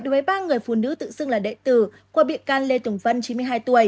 đối với ba người phụ nữ tự xưng là đệ tử của biện can lê tùng vân chín mươi hai tuổi